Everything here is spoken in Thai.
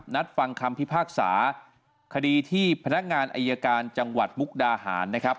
นัดฟังคำพิพากษาคดีที่พนักงานอายการจังหวัดมุกดาหารนะครับ